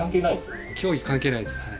競技関係ないですよね？